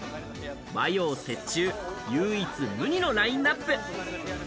和洋折衷、唯一無二のラインナップ。